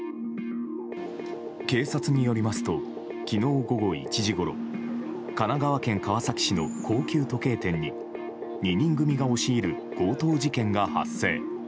警察によりますと昨日午後１時ごろ神奈川県川崎市の高級時計店に２人組が押し入る強盗事件が発生。